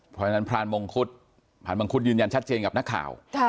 เพราะฉะนั้นพรานมงคุฑยืนยันชัดเจนกับนักข่าว